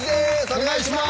お願いします。